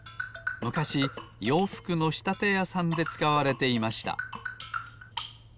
むかしようふくのしたてやさんでつかわれていました。